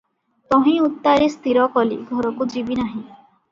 ତହିଁ ଉତ୍ତାରେ ସ୍ଥିର କଲି, ଘରକୁ ଯିବି ନାହିଁ ।